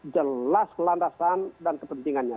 jelas landasan dan kepentingannya